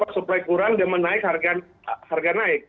supply kurang demand naik harga naik